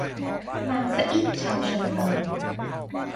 นางสะอิ้งชาวเชิงเนิน